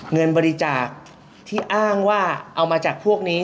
เงินบริจาคที่อ้างว่าเอามาจากพวกนี้